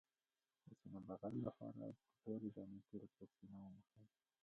د سینې بغل لپاره د تورې دانې تېل په سینه ومښئ